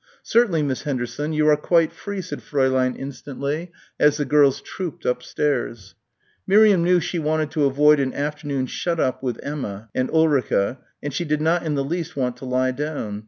"Certainly, Miss Henderson, you are quite free," said Fräulein instantly as the girls trooped upstairs. Miriam knew she wanted to avoid an afternoon shut up with Emma and Ulrica and she did not in the least want to lie down.